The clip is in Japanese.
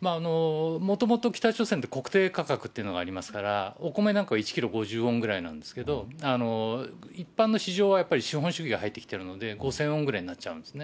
もともと北朝鮮って国定価格っていうのがありますから、お米なんか１キロ５０ウォンぐらいなんですけど、一般の市場は資本主義が入ってきてるので、５０００ウォンぐらいになっちゃうんですね。